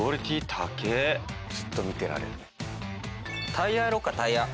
タイヤやろうかタイヤ。